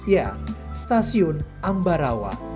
ya stasiun ambarawa